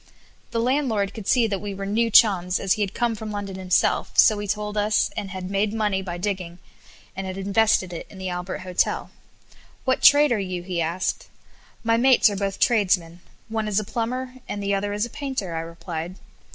The landlord could see that we were new chums, as he had come from London himself, so he told us, and had made money by digging, and had invested it in the Albert Hotel. "What trade are you?" he asked. "My mates are both tradesmen one is a plumber, and the other is a painter," I replied.